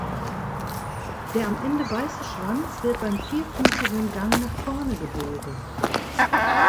Der am Ende weiße Schwanz wird beim vierfüßigen Gang nach vorne gebogen.